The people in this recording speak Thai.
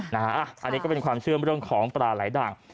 อันนี้ก็เป็นความเชื่อเรื่องของปลาไหลดัง